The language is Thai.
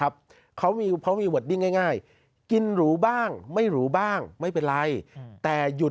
เพราะมีเวิร์ดดิ้งง่าย